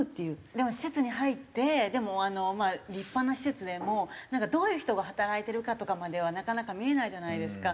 でも施設に入ってでもまあ立派な施設でもなんかどういう人が働いてるかとかまではなかなか見れないじゃないですか。